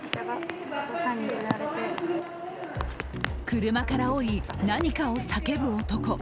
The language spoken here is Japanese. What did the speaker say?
車から降り、何かを叫ぶ男。